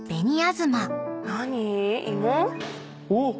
おっ。